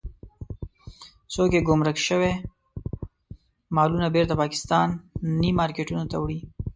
څوک يې ګمرک شوي مالونه بېرته پاکستاني مارکېټونو ته وړي.